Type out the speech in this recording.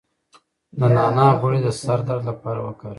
د نعناع غوړي د سر درد لپاره وکاروئ